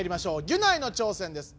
ギュナイの挑戦です。